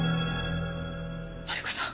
マリコさん